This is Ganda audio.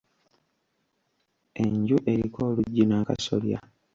Enju eriko oluggi n'akasolya.